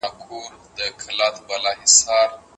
انسجام د ټولني د سلامتیا نښه ده.